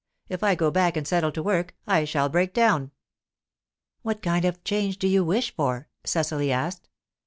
If I go back and settle to work, I shall break down." "What kind of change do you wish for?" Cecily asked.